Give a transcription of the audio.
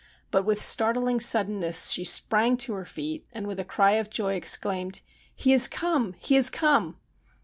But with startling suddenness she sprang to her feet, and with a cry of joy exclaimed :' He has come, he has come